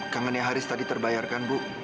kangen yang haris tadi terbayarkan bu